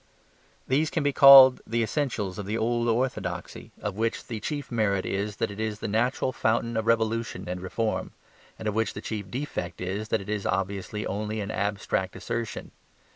These can be called the essentials of the old orthodoxy, of which the chief merit is that it is the natural fountain of revolution and reform; and of which the chief defect is that it is obviously only an abstract assertion.